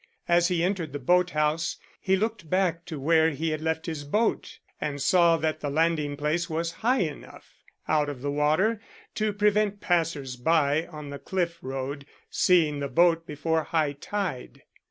As he entered the boat house, he looked back to where he had left his boat, and saw that the landing place was high enough out of the water to prevent passers by on the cliff road seeing the boat before high tide.